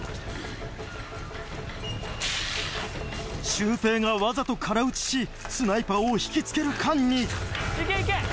シュウペイがわざと空撃ちしスナイパーを引きつける間に行け行け。